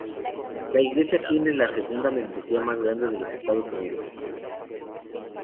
La iglesia tiene la segunda membresía más grande en los Estados Unidos.